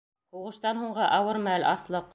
Һуғыштан һуңғы ауыр мәл, аслыҡ.